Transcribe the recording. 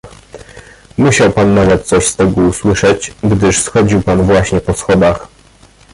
"Musiał pan nawet coś z tego usłyszeć, gdyż schodził pan właśnie po schodach."